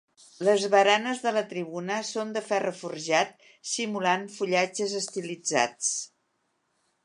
Les baranes de la tribuna són de ferro forjat simulant fullatges estilitzats.